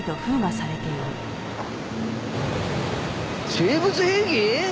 生物兵器？